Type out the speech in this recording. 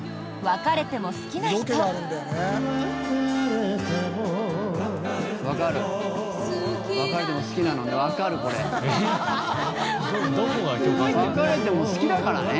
別れても好きだからね。